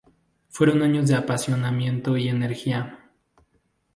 Fueron años de apasionamiento y energía.